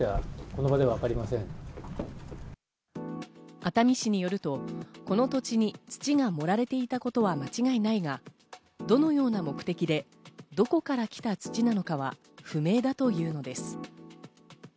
熱海市によると、この土地に土が盛られていたことは間違いないが、どのような目的でどこから来た土なのかは不明だというのです。